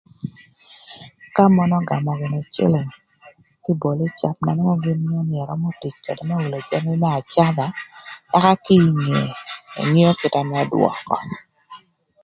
Ka mon ögamö gïnï cïlïng kï ï boli cap ngeo nï ërömö tic ködë më wïlö jami më acadha, ëka kinge engeo kite më dwökö.